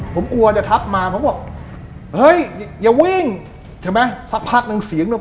ผมกลัวจะทักมาผมบอกเฮ้ยอย่าวิ่งใช่ไหมสักพักหนึ่งเสียงเนี่ย